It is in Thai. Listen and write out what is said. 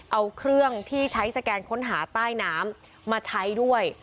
เอาเครื่องที่ใช้สแกนค้นหาใต้น้ำมาใช้ด้วย